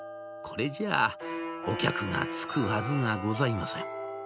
これじゃあお客がつくはずがございません。